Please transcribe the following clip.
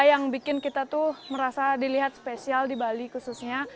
yang bikin kita tuh merasa dilihat spesial di bali khususnya